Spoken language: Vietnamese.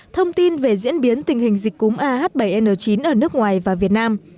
thông tin về diễn biến tình hình dịch cúm ah bảy n chín ở nước ngoài và việt nam